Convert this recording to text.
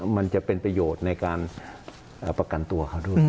มันจะเป็นประโยชน์ในการประกันตัวเขาด้วย